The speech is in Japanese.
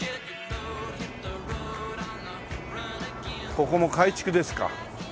ここも改築ですか。